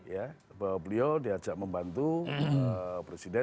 ya bahwa beliau diajak membantu presiden